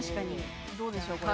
どうでしょうか？